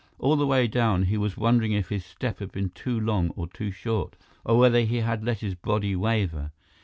All the way down, he was wondering if his step had been too long or too short, or whether he had let his body waver.